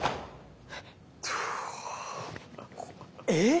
え⁉